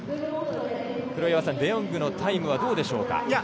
黒岩さん、デ・ヨングのタイムはどうでしょうか。